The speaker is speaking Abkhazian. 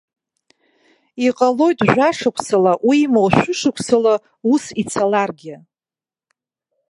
Иҟалоит жәашықәсала, уимоу шәышықәсала ус ицаларгьы!